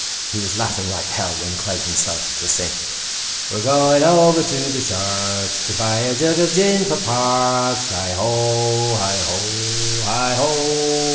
He was laughing like hell when Clayton started to sing. "We're going over to the Shark's To buy a jug of gin for Parks! Hi ho, hi ho, hi ho!"